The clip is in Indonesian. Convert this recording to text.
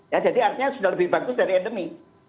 ya jadi artinya sudah lebih bagus dari endemi